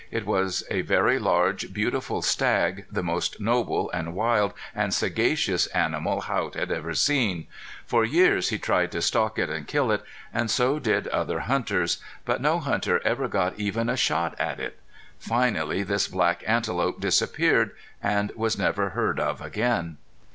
It was a very large, beautiful stag, the most noble and wild and sagacious animal Haught had ever seen. For years he tried to stalk it and kill it, and so did other hunters. But no hunter ever got even a shot at it. Finally this black antelope disappeared and was never heard of again.